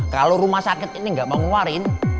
kalau rumah sakit ini nggak mau ngeluarin